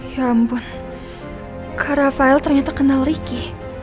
ya ampun kak rafael ternyata kenal ricky